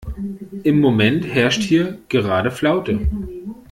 Im Moment herrscht hier gerade Flaute.